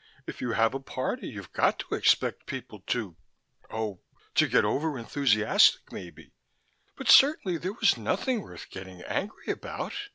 If you have a party you've got to expect people to oh, to get over enthusiastic, maybe. But certainly there was nothing worth getting angry about.